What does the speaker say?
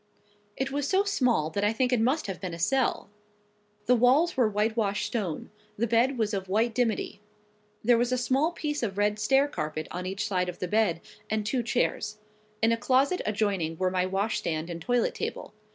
It was so small that I think it must have been a cell. The walls were whitewashed stone; the bed was of white dimity. There was a small piece of red staircarpet on each side of the bed, and two chairs. In a closet adjoining were my washstand and toilet table.